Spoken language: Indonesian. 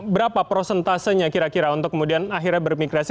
berapa prosentasenya kira kira untuk kemudian akhirnya bermigrasi